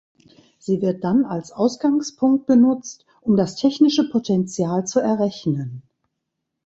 Sie wird dann als Ausgangspunkt benutzt, um das technische Potenzial zu errechnen.